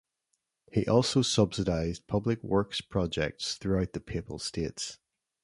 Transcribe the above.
He also subsidized public works projects throughout the Papal States.